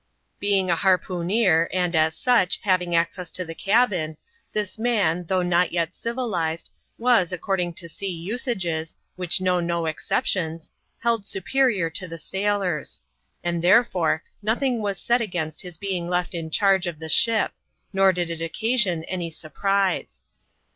Being a harpooneer, and, as such, having access to the cabin, this man, though not yet civilised, was, according to sea usages, which know no exceptions, held superior to the sailors ; and therefore, nothing was said against his being left in charge of the ship ; nor did it occasion any surprise.